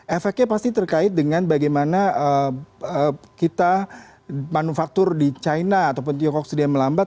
efeknya pasti terkait dengan bagaimana kita manufaktur di china atau pun tiongkok sedang melambat